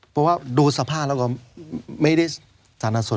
เพราะว่าดูสภาพแล้วก็ไม่ใช่ชนะสูตร